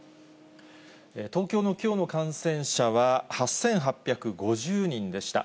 東京のきょうの感染者は、８８５０人でした。